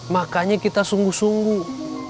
makanya kita sungguh sungguh